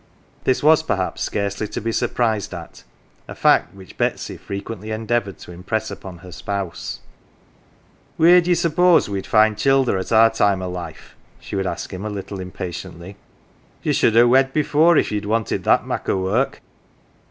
This was, perhaps, scarcely to be surprised at, a fact which Betsy frequently endeavoured to impress on her spouse. " Wheer do ye suppose we's find childer at our time o' life ?" she would ask him a little impatiently. " Ye sh'd ha' wed before, if ye'd wanted that mak' o' work."